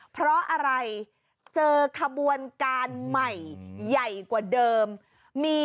เพราะอะไรเจอขบวนการใหม่ใหญ่กว่าเดิม